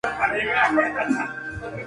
Es capaz de reconocerse en un espejo.